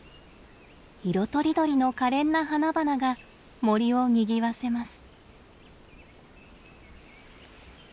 色とりどりのかれんな花々が森をにぎわせます。